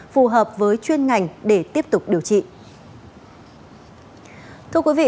phù hợp với chuyên ngành để tiếp tục điều trị